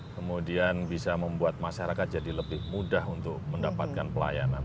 kemudian bisa membuat masyarakat jadi lebih mudah untuk mendapatkan pelayanan